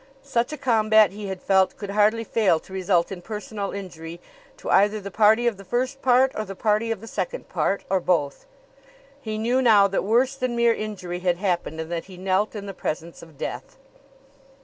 Such a combat, he had felt, could hardly fail to result in personal injury to either the party of the first part or the party of the second part, or both. He knew now that worse than mere injury had happened, and that he knelt in the presence of death.